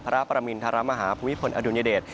พระประมินทรมาฮาภูมิพลอดุลยเดช